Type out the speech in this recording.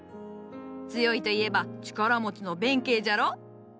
強いといえば力持ちの弁慶じゃろ？